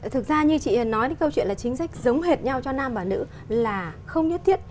thực ra như chị nói đến câu chuyện là chính sách giống hệt nhau cho nam và nữ là không nhất thiết